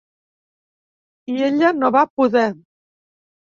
I ella no va poder.